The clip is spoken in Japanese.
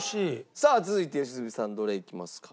さあ続いて良純さんどれいきますか？